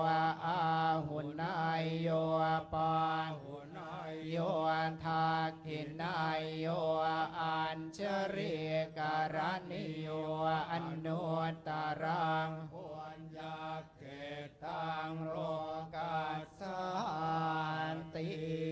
อาหุนายโยปาหุนายโยท่าขินายโยอ่านเจริกรรณิโยอันโนตรรังฝวนยาเกตตังโลกัสสาติ